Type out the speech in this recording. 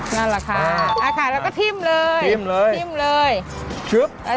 นั่นแหละค่ะแล้วก็ทิ้มเลยทิ้มเลย